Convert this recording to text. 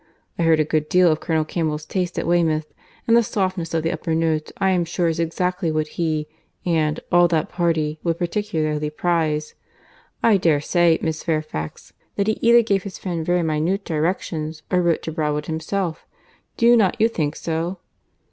I heard a good deal of Colonel Campbell's taste at Weymouth; and the softness of the upper notes I am sure is exactly what he and all that party would particularly prize. I dare say, Miss Fairfax, that he either gave his friend very minute directions, or wrote to Broadwood himself. Do not you think so?"